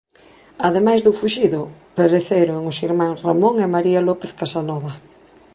Ademais do fuxido, pereceron os irmáns Ramón e María López Casanova.